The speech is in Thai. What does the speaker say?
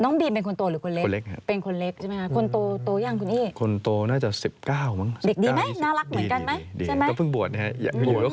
น้องบีมเป็นคนโตหรือคนเล็ก